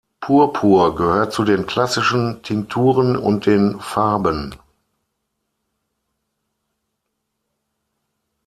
Purpur gehört zu den klassischen Tinkturen und den Farben.